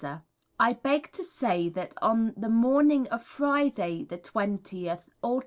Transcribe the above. I beg to say that on the morning of Friday, the 20th ult.